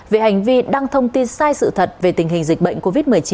về hành vi đăng thông tin sai sự thật về tình hình dịch bệnh covid một mươi chín